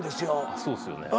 そうですよね。